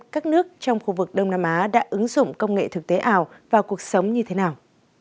các nước trong khu vực đông nam á đã ứng dụng công nghệ thực tế ảo vào cuộc sống như thế nào